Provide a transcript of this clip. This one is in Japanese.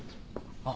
あっ！